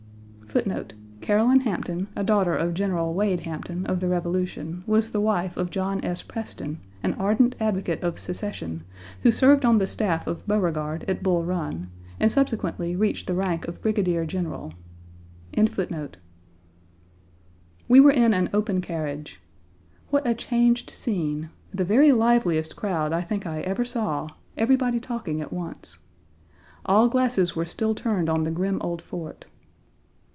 We were in an open carriage. 1. Caroline Hampton, a daughter of General Wade Hampton, of the Revolution. was the wife of John S. Preston, an ardent advocate of secession, who served on the staff of Beauregard at Bull Run and subsequently reached the rank of brigadier general. Page 40 What a changed scene the very liveliest crowd I think I ever saw, everybody talking at once. All glasses were still turned on the grim old fort.